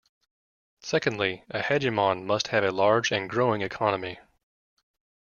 Secondly, a hegemon must have a large and growing economy.